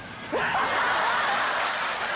ハハハ！